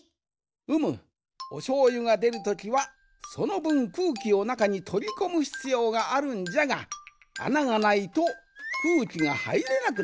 うむおしょうゆがでるときはそのぶんくうきをなかにとりこむひつようがあるんじゃがあながないとくうきがはいれなくなってしまう。